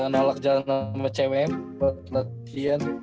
nolak jalan sama cwm buat latihan